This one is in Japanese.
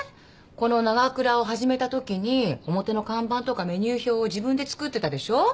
このナガクラを始めたときに表の看板とかメニュー表を自分で作ってたでしょ？